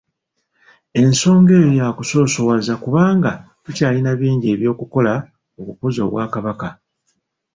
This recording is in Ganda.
Ensonga eyo yakusoosowaza kubanga tukyalina bingi ebyokukola okukuza Obwakabaka.